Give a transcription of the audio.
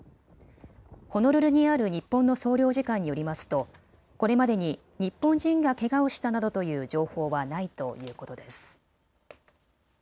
ホノルルにある日本の総領事館によりますとこれまでに日本人がけがをしたなどという情報はないということです。